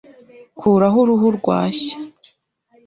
Kuraho uruhu rwashya